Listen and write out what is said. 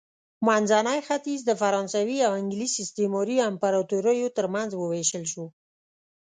منځنی ختیځ د فرانسوي او انګلیس استعماري امپراتوریو ترمنځ ووېشل شو.